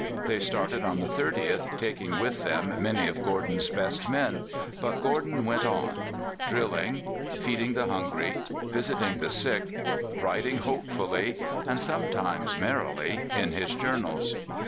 They started on the 30th, taking with them many of Gordon's best men; but Gordon went on, drilling, feeding the hungry, visiting the sick, writing hopefully, and sometimes merrily, in his journals.